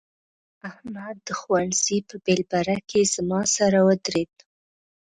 احمد د ښوونځي په بېلبره کې زما سره ودرېد.